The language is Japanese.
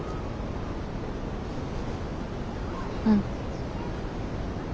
うん。